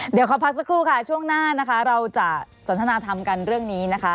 เดี๋ยวขอพักสักครู่ค่ะช่วงหน้านะคะเราจะสนทนาธรรมกันเรื่องนี้นะคะ